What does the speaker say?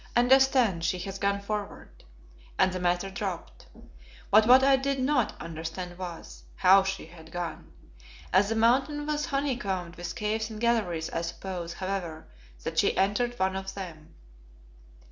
"I understand she has gone forward," and the matter dropped. But what I did not understand was how she had gone. As the Mountain was honeycombed with caves and galleries, I suppose, however, that she entered one of them.